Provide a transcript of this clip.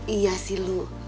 iya sih lu